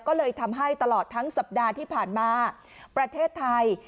ก็เลยทำให้ตลอดทั้งสัปดาห์ที่ผ่านมาประเทศไทย